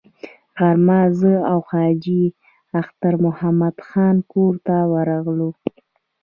غرمه زه او حاجي اختر محمد خان کور ته ورغلو.